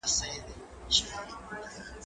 کالي وچ کړه؟